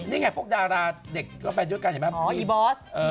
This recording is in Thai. นี่ไงพวกดาราเด็กก็ไปด้วยกันเห็นไหมอ๋ออีบอส